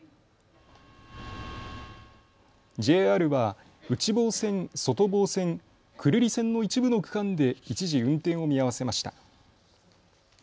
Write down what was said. ＪＲは内房線、外房線、久留里線の一部の区間で一時運転を見合わせました。